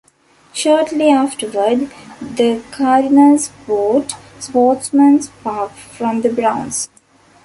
Shortly afterward, the Cardinals bought Sportsman's Park from the Browns.